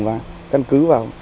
và căn cứ vào